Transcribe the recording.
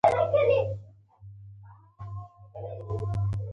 اقتصادي لوبغاړو ته د فعالیت زمینه برابره شوه.